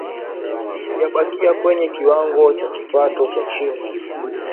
Yabakia kwenye kiwango cha kipato cha chini